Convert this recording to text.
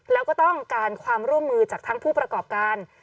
แล้วก็ต้องการความร่วมมือจากทั้งผู้ประกอบการ